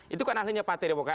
itu kan ahlinya partai demokrat